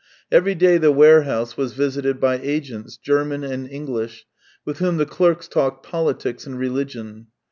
Every day the warehouse was visited by agents, German and English, with THREE YEARS 305 whom the clerks talked politics and religion.